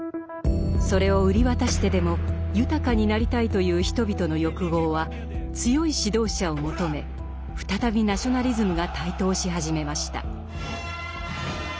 それを売り渡してでも豊かになりたいという人々の欲望は強い指導者を求め再びナショナリズムが台頭し始めました。